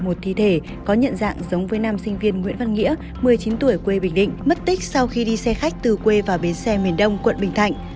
một thi thể có nhận dạng giống với nam sinh viên nguyễn văn nghĩa một mươi chín tuổi quê bình định mất tích sau khi đi xe khách từ quê vào bến xe miền đông quận bình thạnh